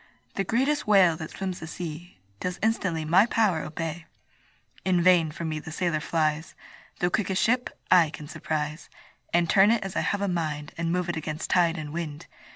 The greatest whale that swims the sea Does instantly my power obey. In vain from me the sailor flies, The quickest ship I can surprise, And turn it as I have a mind, And move it against tide and wind.